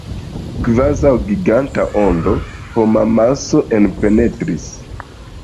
Kvazaŭ giganta ondo, homamaso enpenetris.